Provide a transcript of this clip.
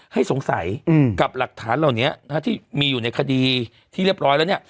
ให้สงสัยกับหลักฐานเหล่านี้ที่มีอยู่ในคดีที่เรียบร้อยแล้วเนี่ย